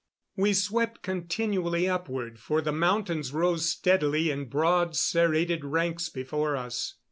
We swept continually upward, for the mountains rose steadily in broad serrated ranks before us.